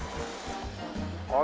あれ？